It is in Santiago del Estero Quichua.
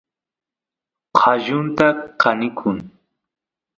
qallunta kanikun